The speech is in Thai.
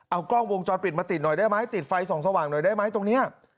เอากล้องวงจรปิดมาติดหน่อยได้ไหมติดไฟส่องสว่างหน่อยได้ไหมตรงนี้